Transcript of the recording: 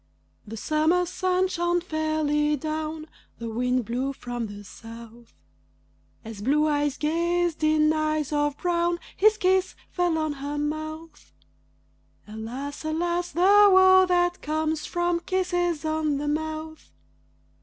The summer sun shone fairly down, The wind blew from the south; As blue eyes gazed in eyes of brown, His kiss fell on her mouth. Alas! alas! the woe that comes from kisses on the mouth.